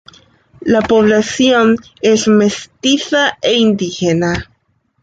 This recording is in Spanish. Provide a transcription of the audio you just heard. La población es mestiza e indígena.